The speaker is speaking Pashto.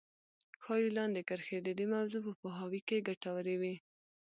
ښايي لاندې کرښې د دې موضوع په پوهاوي کې ګټورې وي.